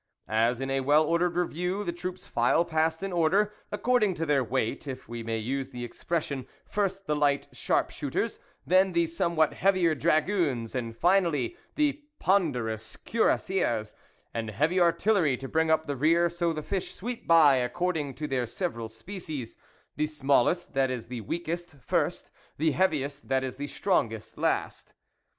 As in a well ordered review, the troops file past in order, according to their weight, if we may use the expression, first the light sharp shooters, then the somewhat heavier dragoons, and finally the pon derous cuirassiers and heavy artillery to bring up the rear, so the fish sweep by according to their several species ; the smallest, that is the weakest, first, the heaviest, that is the strongest, last.